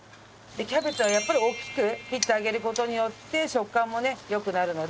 キャベツはやっぱり大きく切ってあげる事によって食感もね良くなるので。